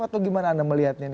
atau gimana anda melihatnya